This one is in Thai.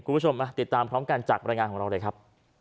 คุณผู้ชมมาติดตามพร้อมกันจากบรรยายงานของเราเลยครับ